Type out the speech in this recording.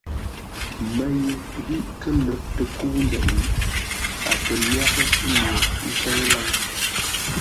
Mə́ ye ghî kə́ lə̌r tə kə́u nzeʼ, a kə̂ myághʼə́ nye ńtsə́ʉ laŋə́.